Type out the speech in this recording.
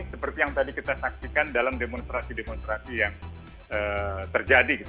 seperti yang tadi kita saksikan dalam demonstrasi demonstrasi yang terjadi